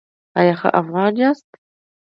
ایا ښه افغان یاست؟